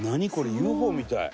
ＵＦＯみたい」